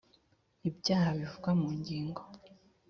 ibyaha bivugwa mu ngingo